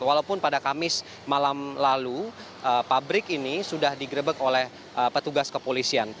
walaupun pada kamis malam lalu pabrik ini sudah digerebek oleh petugas kepolisian